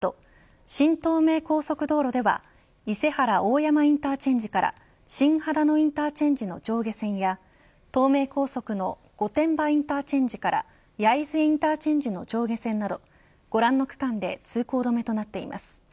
また日本道路交通情報センターによりますと新東名高速道路では伊勢原大山インターチェンジから新秦野インターチェンジの上下線や東名高速の御殿場インターチェンジから焼津インターチェンジの上下線などご覧の区間で通行止めとなっています。